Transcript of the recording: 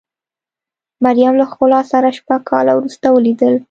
مریم له ښکلا سره شپږ کاله وروسته ولیدل.